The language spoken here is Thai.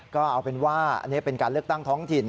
ก็เอาเป็นว่าอันนี้เป็นการเลือกตั้งท้องถิ่น